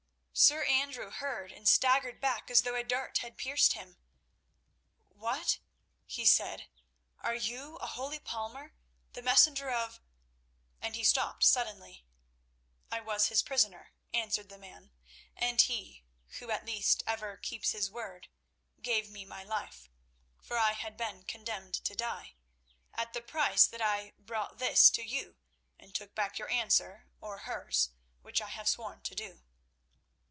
Sir Andrew heard and staggered back as though a dart had pierced him. "What?" he said. "Are you, a holy palmer, the messenger of—" and he stopped suddenly. "I was his prisoner," answered the man, "and he—who at least ever keeps his word—gave me my life—for I had been condemned to die—at the price that I brought this to you, and took back your answer, or hers, which I have sworn to do."